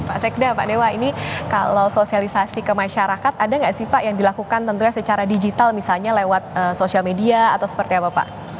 pak sekda pak dewa ini kalau sosialisasi ke masyarakat ada nggak sih pak yang dilakukan tentunya secara digital misalnya lewat sosial media atau seperti apa pak